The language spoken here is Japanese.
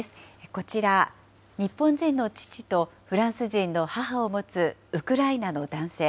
こちら、日本人の父と、フランス人の母を持つウクライナの男性。